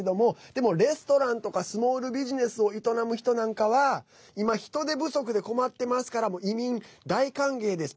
でも、レストランとかスモールビジネスを営む人なんかは今、人手不足で困ってますから移民大歓迎です。